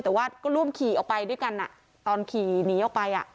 แต่ว่าก็ร่วมขี่ออกไปด้วยกันตอนขี่หนีออกไป